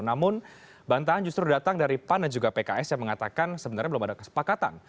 namun bantahan justru datang dari pan dan juga pks yang mengatakan sebenarnya belum ada kesepakatan